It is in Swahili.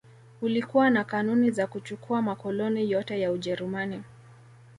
Ulikuwa na kanuni za kuchukua makoloni yote ya Ujerumani